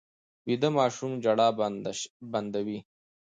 ویده ماشوم ژړا بنده وي